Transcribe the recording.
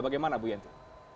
bagaimana bu yanti